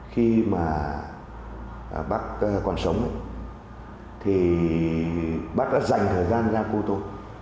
khi mà bác còn sống thì bác đã dành thời gian ra cô tô